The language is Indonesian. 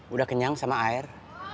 udah kenyang sama air